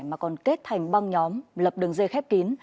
mà còn kết thành băng nhóm lập đường dây khép kín